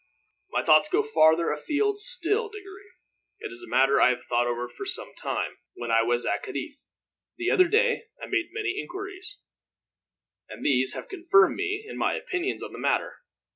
"My thoughts go farther afield still, Diggory. It is a matter I have thought over for some time, and when I was at Cadiz the other day I made many inquiries, and these have confirmed me in my opinions on the matter.